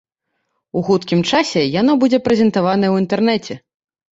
У хуткім часе яно будзе прэзентаванае ў інтэрнэце.